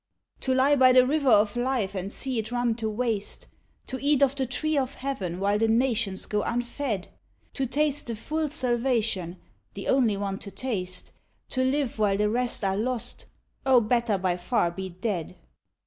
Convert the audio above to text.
To lie by the River of Life and see it run to waste, To eat of the Tree of Heaven while the nations go unfed, To taste the full salvation the only one to taste To live while the rest are lost, oh, better by far be dead!